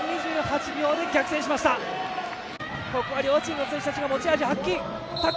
ここは両チームの選手たち持ち味、発揮。